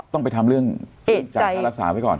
ต้องไปทำเรื่องจ่ายค่ารักษาไว้ก่อน